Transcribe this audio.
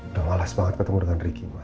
udah males banget ketemu dengan riki mbak